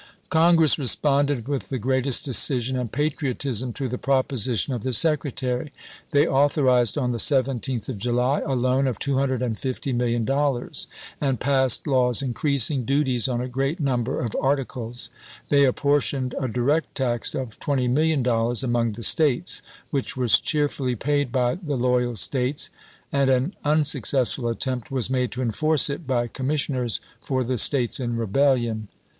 ^ Congress responded with the greatest decision and patriotism to the proposition of the Secretary. They authorized, on the 17th of July, a loan of $250,000,000, and passed laws increasing duties on a great number of arti cles ; they apportioned a direct tax of $20,000,000 among the States, which was cheerfully paid by the loyal States, and an unsuccessful attempt was made to enforce it by commissioners for the States in rebellion.